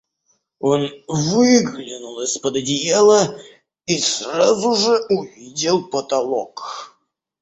Он выглянул из-под одеяла и сразу же увидел потолок.